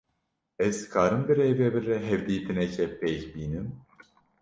Ez dikarim bi rêvebir re hevdîtinekê pêk bînim?